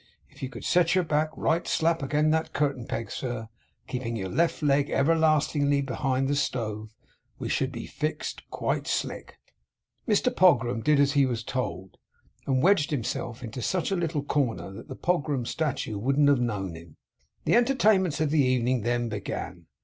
If you could set your back right slap agin that curtain peg, sir, keeping your left leg everlastingly behind the stove, we should be fixed quite slick.' Mr Pogram did as he was told, and wedged himself into such a little corner that the Pogram statue wouldn't have known him. The entertainments of the evening then began.